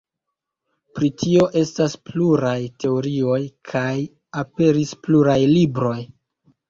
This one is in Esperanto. Pri tio estas pluraj teorioj kaj aperis pluraj libroj.